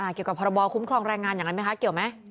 เกี่ยวกับพรบคุ้มครองแรงงานอย่างนั้นไหมคะเกี่ยวไหม